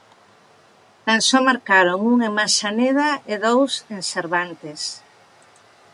Tan só marcaron un en Manzaneda e dous en Cervantes.